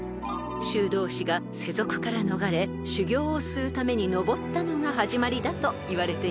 ［修道士が世俗から逃れ修行をするために登ったのが始まりだといわれています］